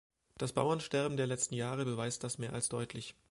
Das Bauernsterben der letzten Jahre beweist dies mehr als deutlich.